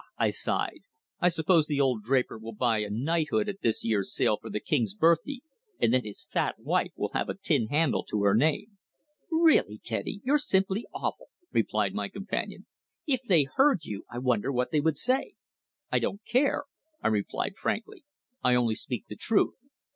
I sighed. "I suppose the old draper will buy a knighthood at this year's sale for the King's Birthday, and then his fat wife will have a tin handle to her name." "Really, Teddy, you're simply awful," replied my companion. "If they heard you I wonder what they would say?" "I don't care," I replied frankly. "I only speak the truth.